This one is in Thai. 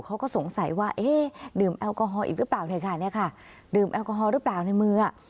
เขาก็สงสัยว่าเอ๊ะดื่มแอลกอฮอลอีกหรือเปล่าเนี่ยค่ะเนี่ยค่ะดื่มแอลกอฮอลหรือเปล่าในมือ